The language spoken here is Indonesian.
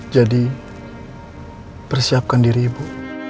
jadi persiapkan diri ibu